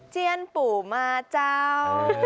เจียนปู่มาเจ้า